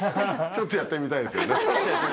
ちょっとやってみたいですけどね。